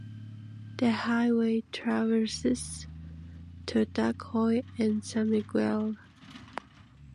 The highway traverses to Dagohoy and San Miguel.